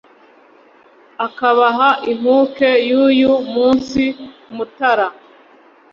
Akabaha inkuke y'uyu munsi!" Mutara